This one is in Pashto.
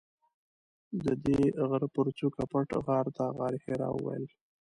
ددې غره پر څوکه پټ غار ته غارحرا ویل.